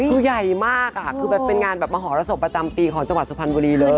คือใหญ่มากค่ะคือแบบเป็นงานแบบมหรสบประจำปีของจังหวัดสุพรรณบุรีเลย